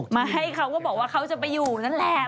มาให้เขาก็บอกว่าเขาจะไปอยู่นั่นแหละ